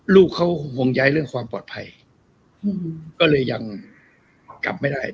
ลูกเขาห่วงใยเรื่องความปลอดภัยก็เลยยังกลับไม่ได้